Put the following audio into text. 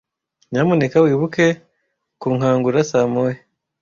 Nyamuneka wibuke kunkangura saa moya